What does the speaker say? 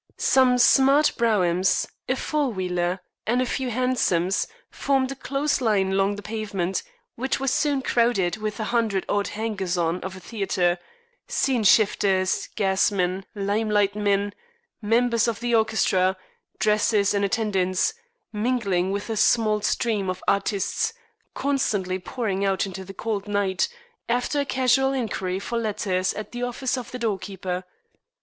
Some smart broughams, a four wheeler, and a few hansoms, formed a close line along the pavement, which was soon crowded with the hundred odd hangers on of a theatre scene shifters, gasmen, limelight men, members of the orchestra, dressers, and attendants mingling with the small stream of artistes constantly pouring out into the cold night after a casual inquiry for letters at the office of the doorkeeper.